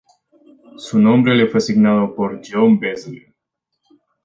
Su nombre le fue asignado por John Beazley.